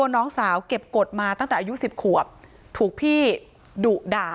น้องก็เลยกรด